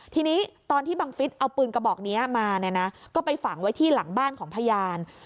ทีนี้ตอนที่บังฟิศเอาปืนกระบอกนี้มาเนี่ยนะก็ไปฝังไว้ที่หลังบ้านของพยาน